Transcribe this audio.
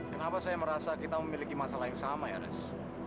kenapa saya merasa kita memiliki masalah yang sama ya mas